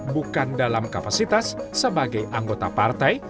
bukan dalam kapasitas sebagai anggota partai